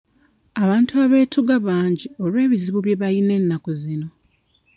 Abantu abeetuga bangi olw'ebizibu bye bayina ennaku zino.